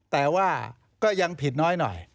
แต่ว่าก็ยังผิดน้อย